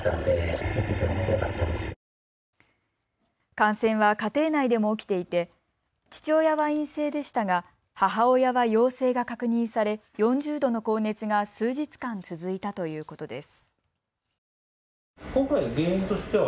感染は家庭内でも起きていて父親は陰性でしたが母親は陽性が確認され、４０度の高熱が数日間続いたということです。